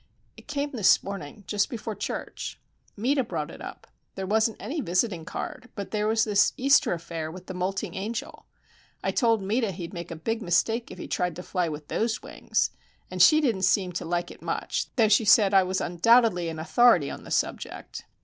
"It came this morning, just before church. Meta brought it up. There wasn't any visiting card, but there was this Easter affair with the moulting angel. I told Meta he'd make a big mistake if he tried to fly with those wings; and she didn't seem to like it much, though she said, 'I was undoubtedly an authority on the subject!